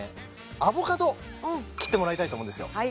アボカド切ってもらいたいと思うんですよ